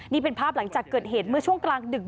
นี่เป็นภาพหลังจากเกิดเหตุเมื่อช่วงกลางดึก